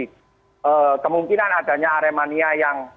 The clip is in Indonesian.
jadi kemungkinan adanya aremania yang